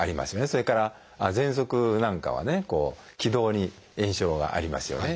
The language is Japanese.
それからぜんそくなんかはね気道に炎症がありますよね。